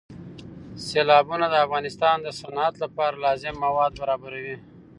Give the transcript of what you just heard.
سیلابونه د افغانستان د صنعت لپاره لازم مواد برابروي.